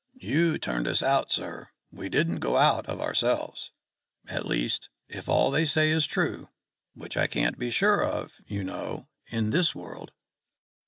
You turned us out, sir; we didn't go out of ourselves. At least, if all they say is true, which I can't be sure of, you know, in this world."